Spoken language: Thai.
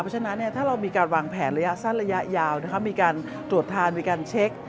เพราะฉะนั้นถ้าเรามีการวางแผนระยะสั้นระยะยาวมีการตรวจทานมีการเช็ค